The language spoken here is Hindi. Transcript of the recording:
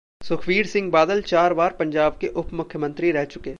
सुखबीर सिंह बादल चार बार पंजाब के उप मुख्यमंत्री रह चुके